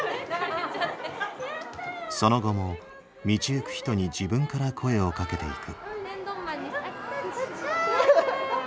その後も道行く人に自分から声をかけていく。